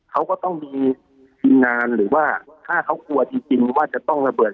เขาก็ต้องมีทีมงานหรือว่าถ้าเขากลัวจริงว่าจะต้องระเบิด